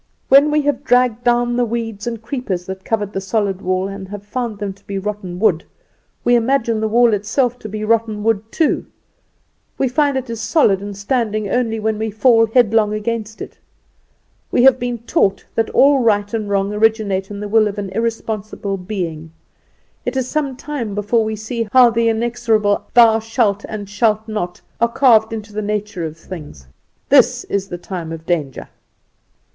When we have dragged down the weeds and creepers that covered the solid wall and have found them to be rotten wood, we imagine the wall itself to be rotten wood too. We find it is solid and standing only when we fall headlong against it. We have been taught that all right and wrong originate in the will of an irresponsible being. It is some time before we see how the inexorable 'Thou shalt and shalt not,' are carved into the nature of things. This is the time of danger."